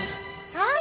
はい。